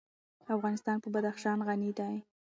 افغانستان په بدخشان غني دی.